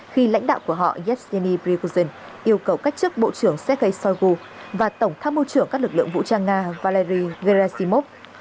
khi lãnh đạo của họ yeltsin brickusen yêu cầu cách chức bộ trưởng sergei shoigu và tổng tham mưu trưởng các lực lượng vũ trang nga valery gerasimov